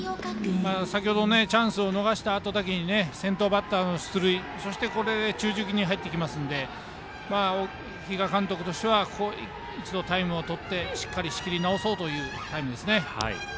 先ほど、チャンスを逃しただけに先頭バッターの出塁そして、これで中軸に入っていきますので比嘉監督としては一度タイムをとってしきりなおそうというタイムですね。